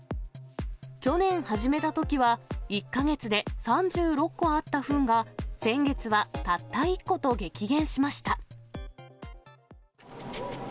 去年始めたときは１か月で３６個あったふんが、先月はたった１個と激減しました。